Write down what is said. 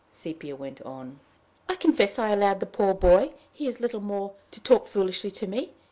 Sepia went on: "I confess I allowed the poor boy he is little more to talk foolishly to me.